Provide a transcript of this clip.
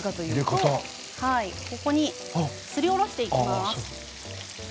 ここにすりおろしていきます。